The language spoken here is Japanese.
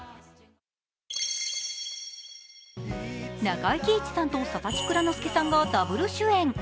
中井貴一さんと佐々木蔵之介がダブル主演。